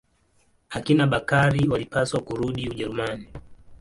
Akina Bakari walipaswa kurudi Ujerumani.